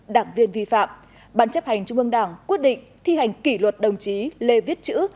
đảng viên vi phạm ban chấp hành trung ương đảng quyết định thi hành kỷ luật đồng chí lê viết chữ